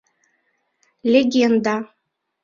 Легенда